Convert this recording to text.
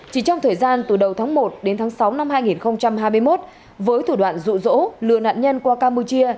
chỉ trong thời gian từ đầu tháng một đến tháng sáu năm hai nghìn hai mươi một với thủ đoạn rụ rỗ lừa nạn nhân qua campuchia